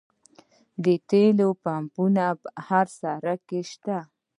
د تیلو پمپونه په هر سړک شته